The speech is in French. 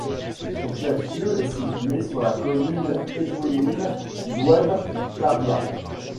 Son chef-lieu est situé sur la commune éponyme d'Oued Taria.